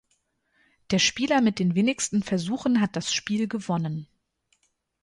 Der Spieler mit den wenigsten Versuchen hat das Spiel gewonnen.